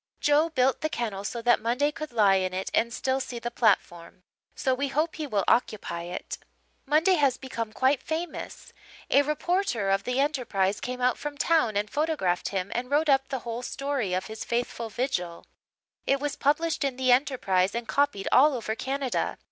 Joe built the kennel so that Monday could lie in it and still see the platform, so we hope he will occupy it. "Monday has become quite famous. A reporter of the Enterprise came out from town and photographed him and wrote up the whole story of his faithful vigil. It was published in the Enterprise and copied all over Canada.